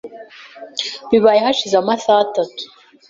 Bibaye hashize amasaha atatu .